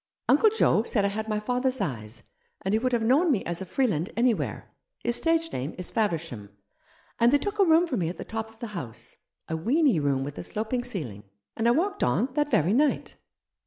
Uncle Joe said I had my father's eyes, and he would have known me as a Freeland anywhere — his stage name is Faversham — and they took a room for me at the top of the house — a weeny room with a sloping ceiling, and I walked on that very night."